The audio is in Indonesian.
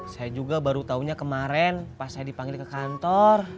saya juga baru tahunya kemarin pas saya dipanggil ke kantor